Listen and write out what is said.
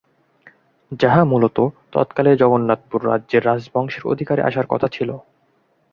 যাহা মূলত তৎকালে জগন্নাথপুর রাজ্যের রাজ্ বংশের অধিকারে আসার কথা ছিল।